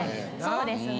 そうですね